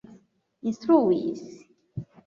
instruis